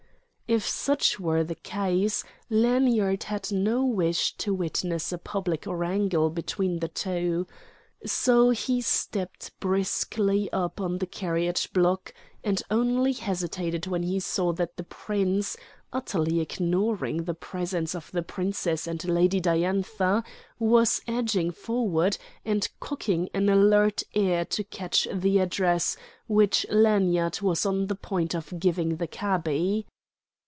If such were the case, Lanyard had no wish to witness a public wrangle between the two. So he stepped briskly up on the carriage block, and only hesitated when he saw that the prince, utterly ignoring the presence of the princess and Lady Diantha, was edging forward and cocking an alert ear to catch the address which Lanyard was on the point of giving the cabby.